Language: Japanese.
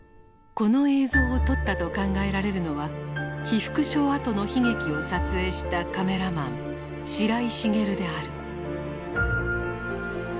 この映像を撮ったと考えられるのは被服廠跡の悲劇を撮影したカメラマン白井茂である。